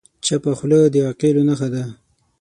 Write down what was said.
چپه خوله، د عاقلو نښه ده.